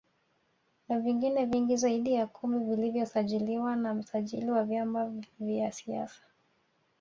Na vingine vingi zaidi ya kumi vilivyosajiliwa na msajili wa vyama vaya siasa